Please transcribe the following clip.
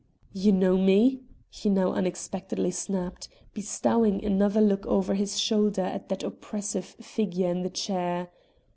"You know me?" he now unexpectedly snapped, bestowing another look over his shoulder at that oppressive figure in the chair.